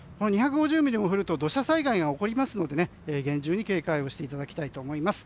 ２５０ミリも降ると土砂災害が起こりますので厳重に警戒をしていただきたいと思います。